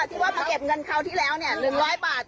ที่ว่ามาเก็บเงินคราวที่แล้ว๑๐๐บาท